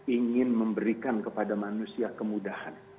ingin memberikan kepada manusia kemudahan